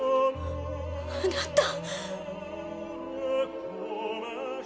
あなた。